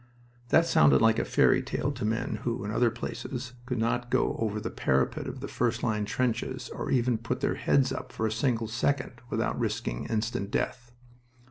That sounded like a fairy tale to men who, in other places, could not go over the parapet of the first line trenches, or even put their heads up for a single second, without risking instant death.